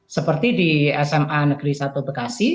seperti di sma negeri satu bekasi